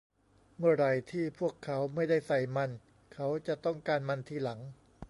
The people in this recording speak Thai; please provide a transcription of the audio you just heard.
เมื่อไหร่ที่พวกเขาไม่ได้ใส่มัน เขาจะต้องการมันทีหลัง